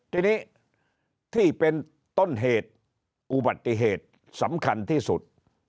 ทีนี้ที่เป็นต้นเหตุอุบัติเหตุสำคัญที่สุด